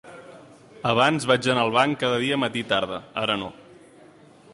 Abans vaig anar al banc cada dia matí i tarda; ara no.